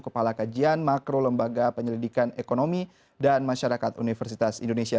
kepala kajian makro lembaga penyelidikan ekonomi dan masyarakat universitas indonesia